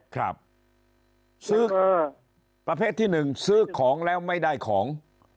ครับซื้อประเภทที่๑ซื้อของแล้วไม่ได้ของ